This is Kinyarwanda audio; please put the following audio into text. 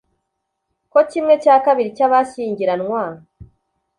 ko kimwe cya kabiri cy'abashyingiranwa